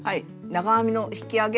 長編みの引き上げ